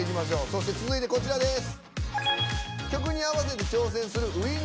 そして続いて、こちらです。